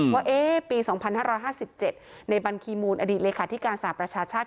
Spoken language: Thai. ว่าปี๒๕๕๗ในบัญคีมูลอดีตเลขาธิการสหประชาชาติ